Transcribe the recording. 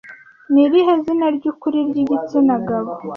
Ni irihe zina ryukuri ryigitsina gabo